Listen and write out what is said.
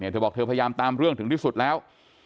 เธอบอกเธอพยายามตามเรื่องถึงที่สุดแล้ว